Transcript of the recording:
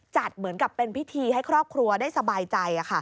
เหมือนกับเป็นพิธีให้ครอบครัวได้สบายใจ